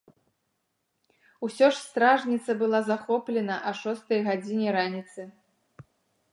Усё ж стражніца была захоплена а шостай гадзіне раніцы.